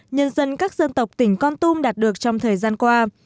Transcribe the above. nhân dân các dân tộc tỉnh con tum đạt được trong thời gian qua